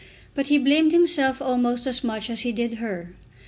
But he blamed himself almost as much as he did her.